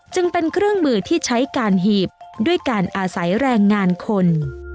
จึงเป็นเครื่องมือที่ใช้การหีบด้วยการอาศัยแรงงานคน